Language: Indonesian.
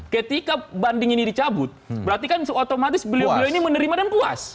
ketika banding ini dicabut berarti kan otomatis beliau beliau ini menerima dan puas